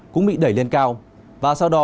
cũng bị đẩy lên cao và sau đó